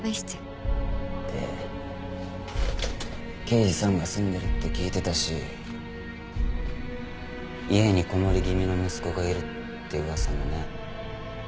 で刑事さんが住んでるって聞いてたし家にこもり気味の息子がいるって噂もね。